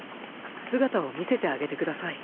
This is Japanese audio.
姿を見せてあげて下さい。